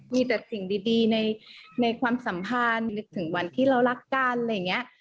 มีแต่สิ่งดีในความสัมพันธ์ลึกถึงวันที่เรารักกันอะไรอย่างนี้